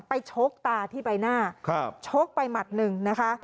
ชกตาที่ใบหน้าชกไปหมัดหนึ่งนะคะ